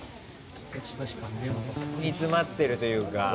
煮詰まってるというか。